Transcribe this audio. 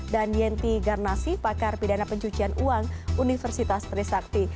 dan yenti garnasi pakar pidana pencucian uang universitas trisakti